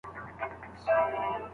بازاريان څومره قيمت ورکوي؟